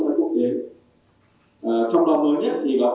đấy thì chúng tôi mở đường bay đi phật